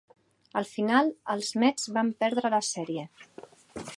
Al final, els Mets van perdre la sèrie.